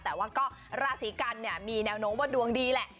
แต่ว่าก็ราศีกันเนี่ยมีแนวโน้มว่าดวงดีแหละ